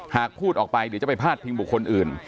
หากพูดออกไปเดี๋ยวจะไปพาดพิงบุคคลอื่น